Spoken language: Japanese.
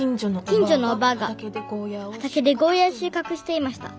「近所のおばあが畑でゴーヤーをしゅうかくしていました。